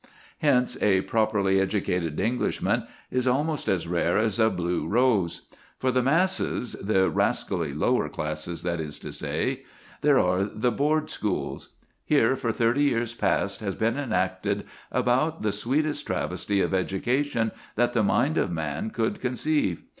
Hence a properly educated Englishman is almost as rare as a blue rose. For the masses the rascally lower orders, that is to say there are the board schools. Here for thirty years past has been enacted about the sweetest travesty of education that the mind of man could conceive.